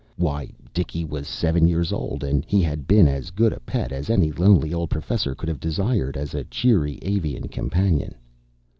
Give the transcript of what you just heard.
Why, Dicky was seven years old and he had been as good a pet as any lonely old professor could have desired as a cheery avian companion.